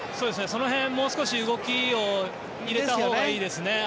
その辺、もう少し動きを入れたほうがいいですね。